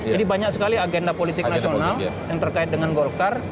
jadi banyak sekali agenda politik nasional yang terkait dengan golkar